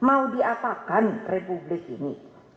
apakah republik ini